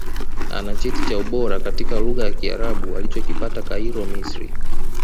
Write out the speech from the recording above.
Ana Cheti cha Ubora katika Lugha ya Kiarabu alichokipata Cairo Misri